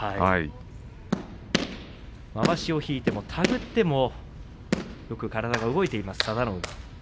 まわしを取ってもたぐっても、よく体が動いている佐田の海です。